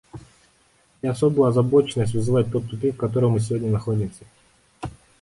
И особую озабоченность вызывает тот тупик, в котором мы сегодня находимся.